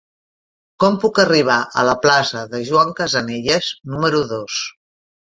Com puc arribar a la plaça de Joan Casanelles número dos?